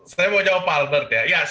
saya mau jawab pak albert ya